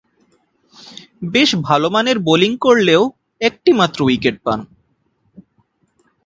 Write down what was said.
বেশ ভালোমানের বোলিং করলেও একটিমাত্র উইকেট পান।